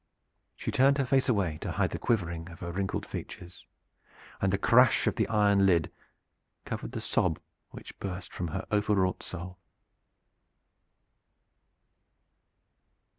She turned her face away to hide the quivering of her wrinkled features, and the crash of the iron lid covered the sob which burst from her overwrought soul.